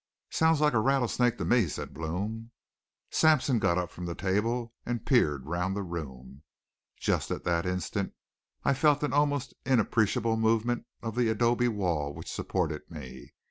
"Sounds like a rattlesnake to me," said Blome. Sampson got up from the table and peered round the room. Just at that instant I felt an almost inappreciable movement of the adobe wall which supported me.